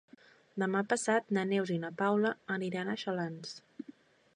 Demà passat na Neus i na Paula aniran a Xalans.